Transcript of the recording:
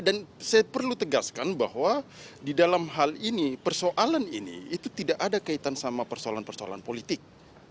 dan saya perlu tegaskan bahwa di dalam hal ini persoalan ini itu tidak ada kaitan sama persoalan persoalan politik